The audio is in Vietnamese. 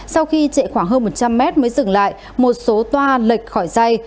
sau khi chạy khoảng hơn một trăm linh mét mới dừng lại một số toa lệch khỏi dây